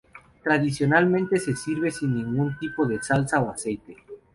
Tradicionalmente se sirve sin ningún tipo de salsa o aceite.